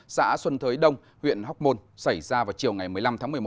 xã xuân thới đông huyện hóc môn xảy ra vào chiều ngày một mươi năm tháng một mươi một